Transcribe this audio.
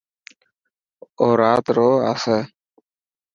او رات رو آسي.